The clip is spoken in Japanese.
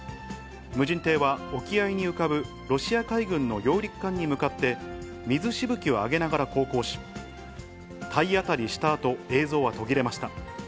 無人艇は沖合に浮かぶロシア海軍の揚陸艦に向かって、水しぶきを上げながら航行し、体当たりしたあと、映像は途切れました。